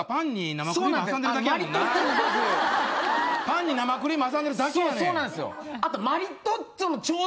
パンに生クリーム挟んでるだけやねん。